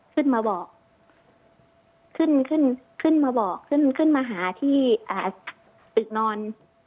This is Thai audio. เขาก็ขึ้นมาบอกขึ้นมาหาที่ตึกนอน